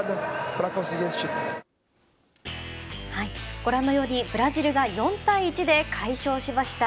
ご覧のようにブラジルが４対１で快勝しました。